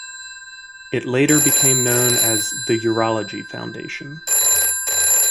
It later became known as The Urology Foundation.